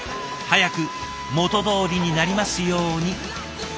早く元どおりになりますように。